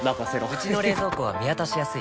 うちの冷蔵庫は見渡しやすい